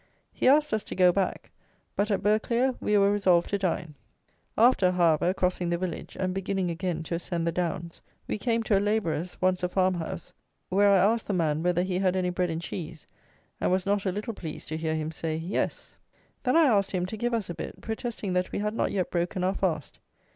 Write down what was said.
He asked us to go back; but at Burghclere we were resolved to dine. After, however, crossing the village, and beginning again to ascend the downs, we came to a labourer's (once a farmhouse), where I asked the man whether he had any bread and cheese, and was not a little pleased to hear him say "Yes." Then I asked him to give us a bit, protesting that we had not yet broken our fast.